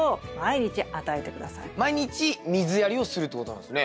毎日水やりをするってことなんですね。